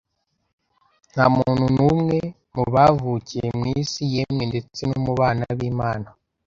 Nta muntu n’umwe mu bavukiye mu isi, yemwe ndetse no mu bana b’Imana